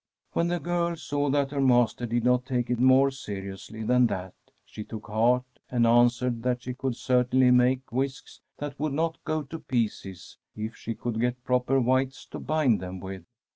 ' When the girl saw that her master did not take it more seriously than that, she took heart, and answered that she could certainly make whisks that would not go to pieces if she could get proper withes to bind them with.